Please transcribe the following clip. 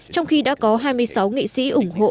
trong khi đã có hai mươi sáu nghị sĩ ủng hộ